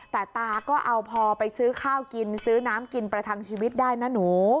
แต่ตาก็เอาพอไปซื้อข้าวกินซื้อน้ำกินประทังชีวิตได้นะหนู